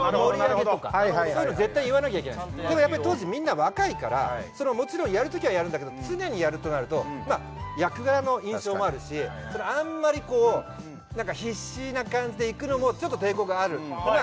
なるほどなるほどそういうの絶対言わなきゃいけないんですでもやっぱり当時みんな若いからそのもちろんやる時はやるんだけど常にやるとなるとまあ役柄の印象もあるしそのあんまりこう何か必死な感じでいくのもちょっと抵抗があるま